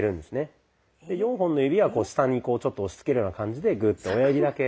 で４本の指は下に押しつけるような感じでグーッと親指だけ。